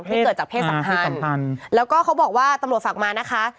เกิดจากเพศสัมพันธ์แล้วก็เขาบอกว่าตำรวจฝากมานะคะ